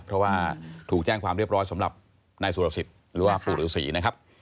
เพราะว่าถูกแจ้งความเรียบร้อยสำหรับนายสุรสิทธิ์หรือว่าปู่ฤษีนะครับ